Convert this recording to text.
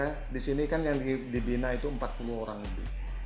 karena di sini kan yang dibina itu empat puluh orang lebih